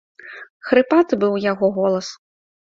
Хрыпаты быў яго голас!